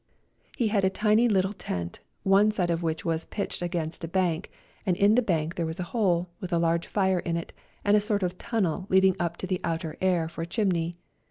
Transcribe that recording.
He had a tiny Httle tent, one side of which was pitched against a bank, and in the bank there was a hole, with a large fire in it, and a sort of timnel leading up to the outer air for a chimney.